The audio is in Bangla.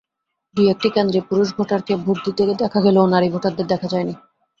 দুই-একটি কেন্দ্রে পুরুষ ভোটারকে ভোট দিতে দেখা গেলেও নারী ভোটারদের দেখা যায়নি।